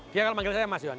dia kalau manggil saya mas yon